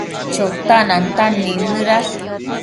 Chotac nantan nidnëdash